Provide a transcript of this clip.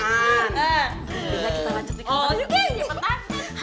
oke ya pak han